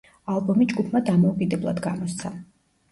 ალბომი ჯგუფმა დამოუკიდებლად გამოსცა.